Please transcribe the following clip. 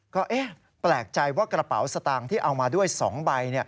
ก็แปลกใจว่ากระเป๋าสตางค์ที่เอามาด้วย๒ใบ